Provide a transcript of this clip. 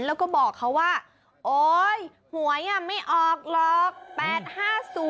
แล้วก็บอกเขาว่าโอ๊ยหวยไม่ออกหรอก